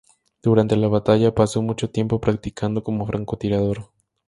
Durante la batalla, pasó mucho tiempo practicando como francotirador.